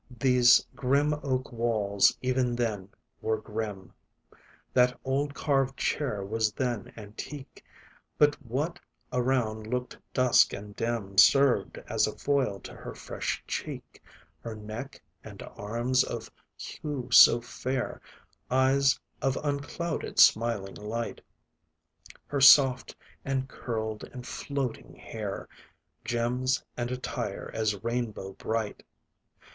These grim oak walls even then were grim; That old carved chair was then antique; But what around looked dusk and dim Served as a foil to her fresh cheek; Her neck and arms, of hue so fair, Eyes of unclouded, smiling light; Her soft, and curled, and floating hair, Gems and attire, as rainbow bright.